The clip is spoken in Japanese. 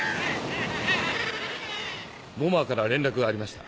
ボマーから連絡がありました。